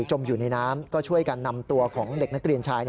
จมอยู่ในน้ำก็ช่วยกันนำตัวของเด็กนักเรียนชาย